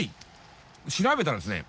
調べたらですね